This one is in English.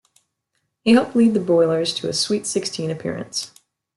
He helped lead the Boilers to a Sweet Sixteen appearance.